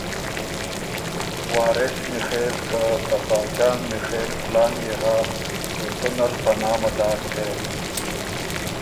”وارث میخېل که ته خاجان میخېل کلان يې هۀ او تُو نل په نامه داک هې